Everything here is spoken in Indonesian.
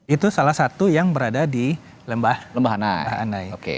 itu salah satu yang berada di lembah lembahan